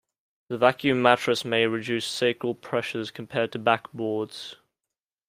The vacuum mattress may reduce sacral pressures compared to backboards.